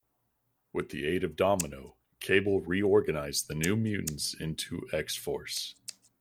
With the aid of Domino, Cable reorganized the New Mutants into X-Force.